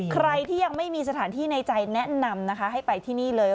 ใครที่ยังไม่มีสถานที่ในใจแนะนำนะคะให้ไปที่นี่เลย